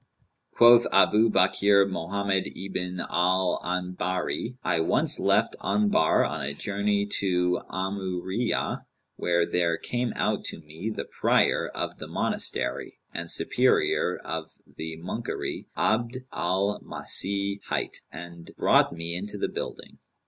Quoth Abu Bakr Mohammed ibn Al Anbαri[FN#204]: "I once left Anbαr on a journey to 'Amϊrνyah,[FN#205] where there came out to me the prior of the monastery and superior of the monkery, Abd al Masνh hight, and brought me into the building.